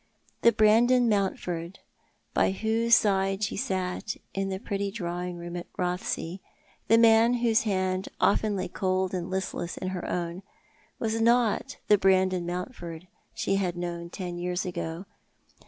The Brandon Mountford by whose side she sat in the pretty drawing room at Eothesay, the man whose hand often lay cold and listless in her own, was not the Brandon Mountford she had known ten years ago.